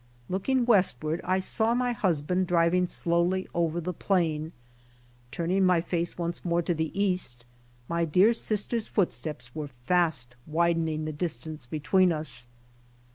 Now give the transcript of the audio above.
Looking westward I saw my husband driving slowly over the plain; turning my face once more to the east, my dear sister's footsteps were fast widening the distance between us.